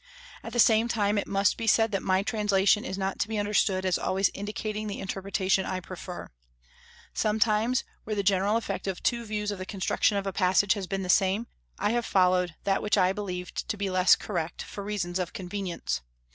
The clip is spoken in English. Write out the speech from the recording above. At the same time it must be said that my translation is not to be understood as always indicating the interpretation I prefer. Sometimes, where the general effect of two views of the construction of a passage has been the same, I have followed that which I believed to be less correct, for reasons of convenience.